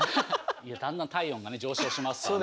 だんだん体温が上昇しますからね。